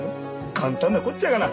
簡単なこっちゃがな。